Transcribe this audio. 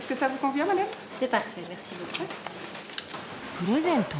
プレゼント？